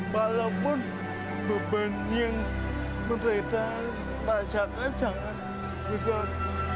walaupun beban yang mereka rasakan sangat besar